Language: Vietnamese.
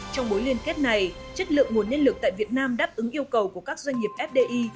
trong bối liên kết này chất lượng nguồn nhân lực tại việt nam đáp ứng yêu cầu của các doanh nghiệp fdi